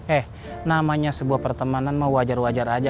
eh namanya sebuah pertemanan mah wajar wajar aja